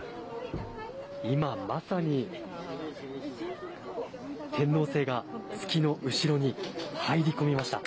今、まさに天王星が月の後ろに入り込みました。